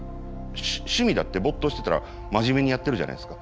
趣味だって没頭してたら真面目にやってるじゃないですか。